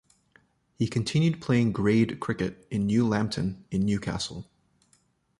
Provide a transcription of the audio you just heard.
He continued playing grade cricket with New Lambton in Newcastle.